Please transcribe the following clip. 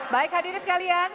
baik hadirin sekalian